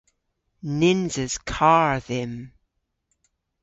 Nyns eus karr dhymm.